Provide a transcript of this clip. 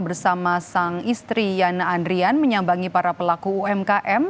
bersama sang istri yana andrian menyambangi para pelaku umkm